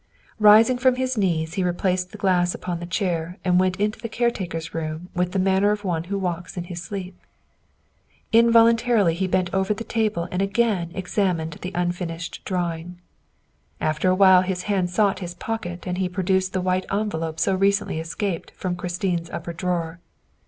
Rising from his knees he replaced the glass upon the chair and went into the caretaker's room with the manner of one who walks in his sleep. Involuntarily he bent over the table and again examined the unfin ished drawing. After a while his hand sought his pocket and he produced the white envelope so recently escaped from Christine's upper drawer.